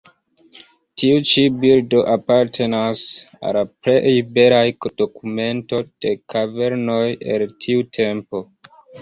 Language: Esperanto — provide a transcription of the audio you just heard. Tiu ĉi bildo apartenas al la plej belaj dokumentoj de kavernoj el tiu tempo.